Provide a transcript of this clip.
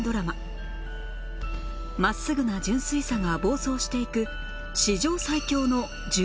真っすぐな純粋さが暴走していく